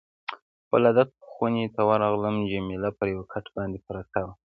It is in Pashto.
ولادت خونې ته ورغلم، جميله پر یو کټ باندې پرته وه.